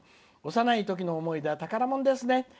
幼いときの思い出は宝もんですね。